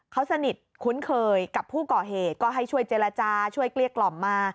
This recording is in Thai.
เขาสนิทคุ้นเคยกับผู้ก่อเหตุก็ให้ช่วยเจรจาช่วยเกลี้ยกล่อมมา